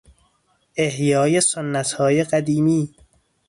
احیای سنتهای قدیمی